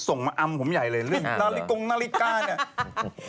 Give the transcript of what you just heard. ส่งมาอำผมใหญ่เลยเรื่องนาฬิกาเนี่ย